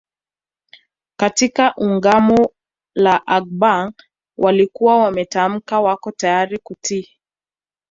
Katika Ungamo la Augsburg walikuwa wametamka wako tayari kutii